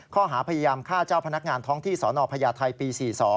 ข้อหาพยายามฆ่าเจ้าพนักงานท้องที่สนพญาไทยปี๔๒